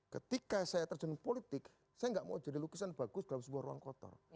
ketika saya terjun politik saya gak mau jadi lukisan bagus dalam sebuah ruang kotor